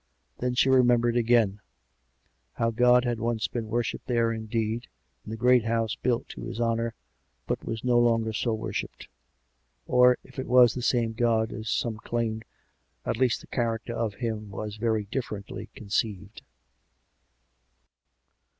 ... Then she remembered again: how God had once been worshipped there indeed, in the great house built to His honour, but was no longer so worshipped. Or, if it were the same God, as some claimed, at least the character of Him was very differently conceived.